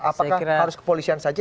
apakah harus kepolisian saja